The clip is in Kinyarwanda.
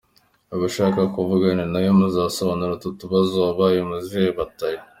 Ababasha kuvugana nawe muzamumbarize utu tubazo : Wabaye mu zihe batayo ?